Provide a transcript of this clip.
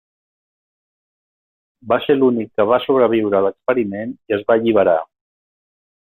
Va ser l'únic que va sobreviure a l'experiment, i es va alliberar.